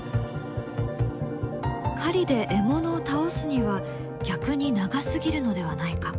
狩りで獲物を倒すには逆に長すぎるのではないか？